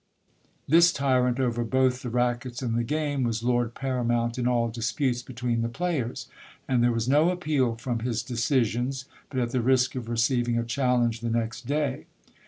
This tyrant over both the rackets and the game was lord paramount in all disputes between the players ; and there was no appeal from his decisions, but at the risk of receiving a challenge the next day.